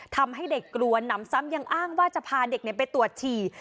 ทำให้เด็กกลัวหนำซ้ำยังอ้างว่าจะพาเด็กไปตรวจฉี่